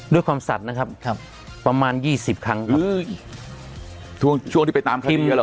ด้วยความสัดนะครับครับประมาณยี่สิบครั้งครับช่วงที่ไปตามคดี